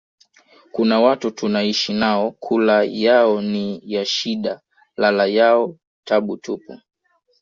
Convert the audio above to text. kuna watu tunaishi nao kula yao ni ya shida lala yao tabu tupu